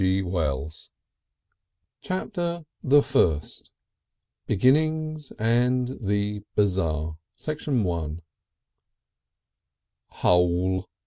G. Wells Chapter the First Beginnings, and the Bazaar I "Hole!"